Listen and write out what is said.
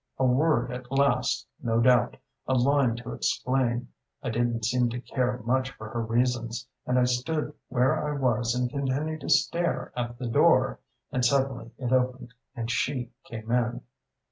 A word at last, no doubt a line to explain.... I didn't seem to care much for her reasons, and I stood where I was and continued to stare at the door. And suddenly it opened and she came in.